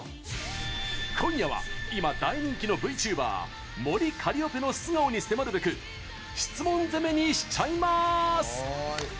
今夜は今大人気のＶＴｕｂｅｒＭｏｒｉＣａｌｌｉｏｐｅの素顔に迫るべく質問攻めにしちゃいまーす！